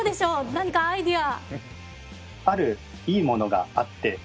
何かアイデア。